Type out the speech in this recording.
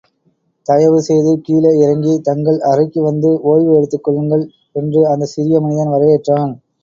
தயவு செய்து கீழே இறங்கித் தங்கள் அறைக்கு வந்து ஓய்வு எடுத்துக்கொள்ளுங்கள்! என்று அந்தச் சிறிய மனிதன் வரவேற்றான்.